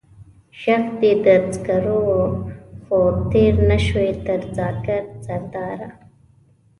ژغ دې د سکر و، خو تېر نه شوې تر ذاکر سرداره.